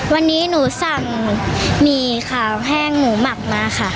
วันนี้หนูสั่งหมี่ขาวแห้งหมูหมักมาค่ะ